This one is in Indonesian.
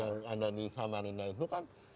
yang ada di samarinda itu kan